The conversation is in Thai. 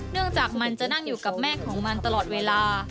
จากมันจะนั่งอยู่กับแม่ของมันตลอดเวลา